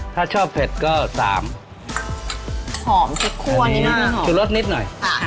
ถ้าชอบเผ็ดก็สามหอมพริกครัวนี่น่ะชุดรสนิดหน่อย